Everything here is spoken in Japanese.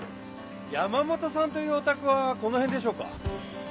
山本さんというお宅はこの辺でしょうか？